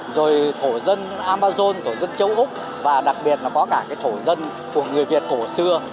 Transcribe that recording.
rồi thổ dân amazon thổ dân châu úc và đặc biệt là có cả cái thổ dân của người việt cổ xưa